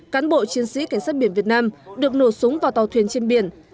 cán bộ chiến sĩ cảnh sát biển việt nam được nổ súng vào tàu thuyền trên biển